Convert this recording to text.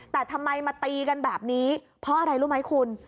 แต่ทำไมมาตีกันแบบนี้เพราะอะไรรู้ไหมคุณ